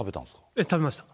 ええ、食べました。